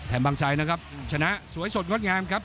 บางไซนะครับชนะสวยสดงดงามครับ